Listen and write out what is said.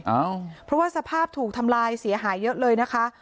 เอ้าเพราะว่าสภาพถูกทำลายเสียหายเยอะเลยนะคะ